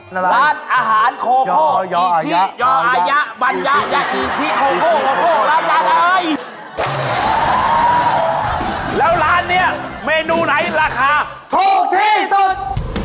แล้วร้านนี้เมนูไหนราคาโถกที่สุด